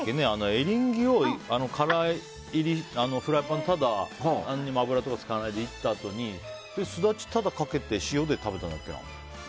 エリンギをフライパンで油とか使わないでいった時にスダチとかかけて塩で食べたんだっけな？